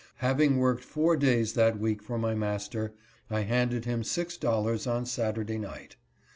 Having worked four days that week for my master, I handed him six dollars on Satur GOOD BYE, JlASTER. 241 day night.